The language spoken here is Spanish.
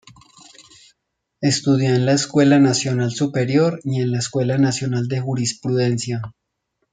Estudió en la Escuela Nacional Superior y en la Escuela Nacional de Jurisprudencia.